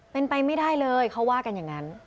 เป็นไปไม่ได้เลยเขาว่ากันอย่างนั้น